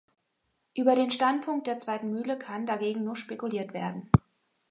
Über den Standort der zweiten Mühle kann dagegen nur spekuliert werden.